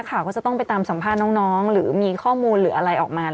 ข่าวก็จะต้องไปตามสัมภาษณ์น้องหรือมีข้อมูลหรืออะไรออกมา